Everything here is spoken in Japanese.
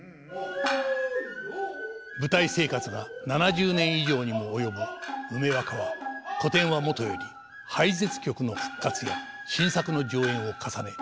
舞台生活が７０年以上にも及ぶ梅若は古典はもとより廃絶曲の復活や新作の上演を重ね